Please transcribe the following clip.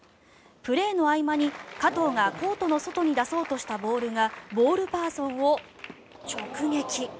プレーの合間に加藤がコートの外に出そうとしたボールがボールパーソンを直撃。